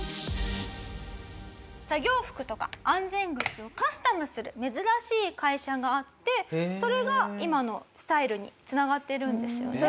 作業服とか安全靴をカスタムする珍しい会社があってそれが今のスタイルに繋がっているんですよね？